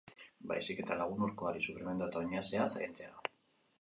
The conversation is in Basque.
Baizik eta lagun urkoari sufrimendua eta oinazea kentzea.